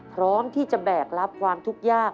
พร้อมที่จะแบกรับความทุกข์ยาก